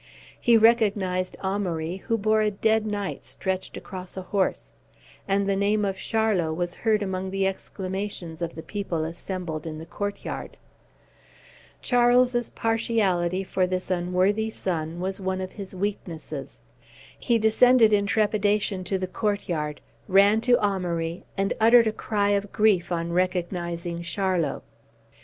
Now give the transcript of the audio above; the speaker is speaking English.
He recognized Amaury, who bore a dead knight stretched across a horse; and the name of Charlot was heard among the exclamations of the people assembled in the court yard. Charles's partiality for this unworthy son was one of his weaknesses. He descended in trepidation to the court yard, ran to Amaury, and uttered a cry of grief on recognizing Charlot.